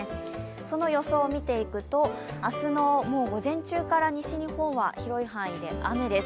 その予想を見ていくと、明日の午前中から西日本は広い範囲で雨です。